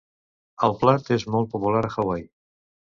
El plat és molt popular a Hawaii.